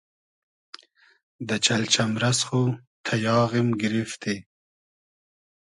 دۂ چئلجئمرئس خو تئیاغیم گیریفتی